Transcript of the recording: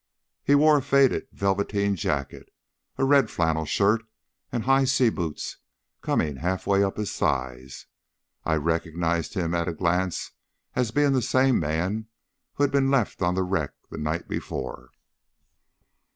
He wore a faded velveteen jacket, a red flannel shirt, and high sea boots, coming half way up his thighs. I recognised him at a glance as being the same man who had been left on the wreck the night before.